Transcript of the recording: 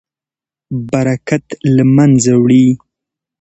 برکت له منځه وړي.